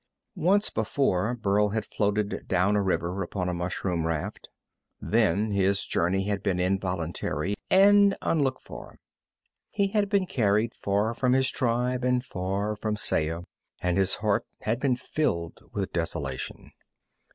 Once before Burl had floated down a river upon a mushroom raft. Then his journey had been involuntary and unlooked for. He had been carried far from his tribe and far from Saya, and his heart had been filled with desolation.